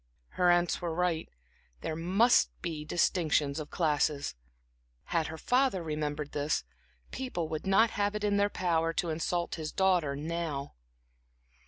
Her aunts were right; there must be distinctions of classes. Had her father remembered this, people would not have it in their power to insult his daughter now.